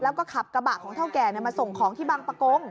แล้วก็ขับกระบะของเท่าแก่มาส่งของที่บางประกง